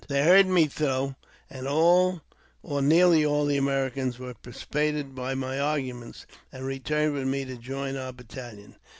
They heard me through, and all, or nearly all the Americans were persuaded by my arguments, and returned with me to join our battalion.